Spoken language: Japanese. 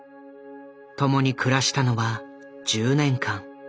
共に暮らしたのは１０年間。